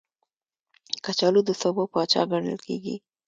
کچالو د سبو پاچا ګڼل کېږي